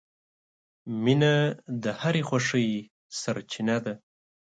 • مینه د هرې خوښۍ سرچینه ده.